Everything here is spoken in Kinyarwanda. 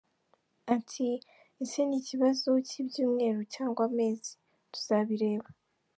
Ati “Ese ni ikibazo cy’ibyumweru cyangwa amezi? tuzabireba.